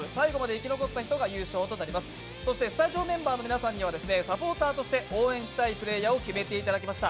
スタジオメンバーの皆さんにはサポーターとして応援したいメンバーを決めてもらいました。